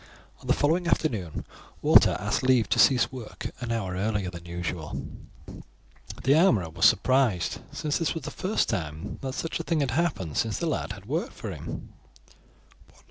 On the following afternoon Walter asked leave to cease work an hour earlier than usual, as he wished to go across into the city. The armourer was surprised, since this was the first time that such a thing had happened since the lad had worked for him.